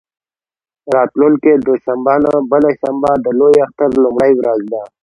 راتلونکې دوشنبه نه، بله دوشنبه د لوی اختر لومړۍ ورځ ده.